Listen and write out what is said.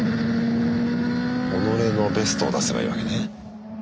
己のベストを出せばいいわけね。